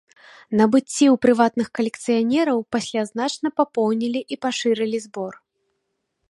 Набыцці ў прыватных калекцыянераў пасля значна папоўнілі і пашырылі збор.